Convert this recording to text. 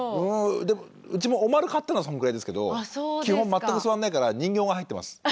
でもうちもおまる買ったのはそのぐらいですけど基本全く座んないから人形が入ってます。